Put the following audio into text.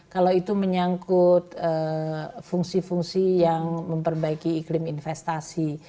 kalau itu menyangkut fungsi fungsi yang memperbaiki iklim investasi